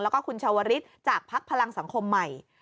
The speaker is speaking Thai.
แล้วก็คุณชาวริสจากภักดิ์พลังสังคมใหม่